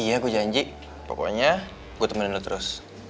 iya gue janji pokoknya gue temenin lo terus